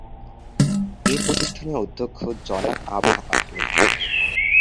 এ প্রতিষ্ঠানের অধ্যক্ষ জনাব আবু আহমেদ।